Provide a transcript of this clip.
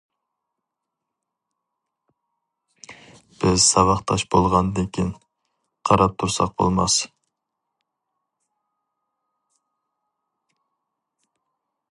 بىز ساۋاقداش بولغاندىكىن قاراپ تۇرساق بولماس.